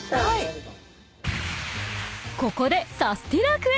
［ここで］